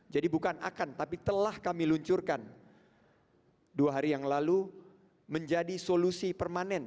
jadi bukan akan tapi telah kami luncurkan dua hari yang lalu menjadi solusi permanen